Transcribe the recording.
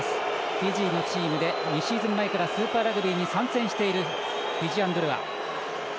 フィジーのチームで２シーズン前からスーパーラグビーに参戦しているフィジアン・ドゥルア。